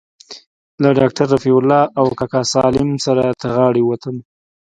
له ډاکتر رفيع الله او کاکا سالم سره تر غاړې ووتم.